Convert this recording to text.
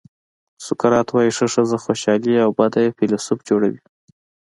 سقراط وایي ښه ښځه خوشالي او بده یې فیلسوف جوړوي.